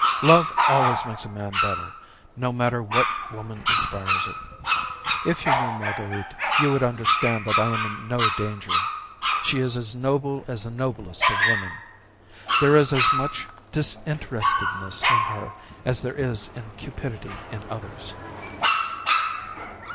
Love always makes a man better, no matter what woman inspires it. If you knew Marguerite, you would understand that I am in no danger. She is as noble as the noblest of women. There is as much disinterestedness in her as there is cupidity in others."